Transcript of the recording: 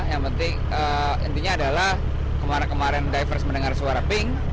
yang penting intinya adalah kemarin divers mendengar suara ping